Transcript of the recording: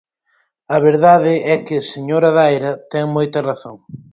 A verdade é que, señora Daira, ten moita razón.